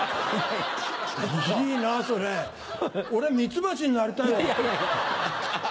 いいなそれ俺ミツバチになりたいわ。